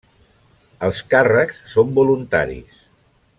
Els càrrecs són voluntaris.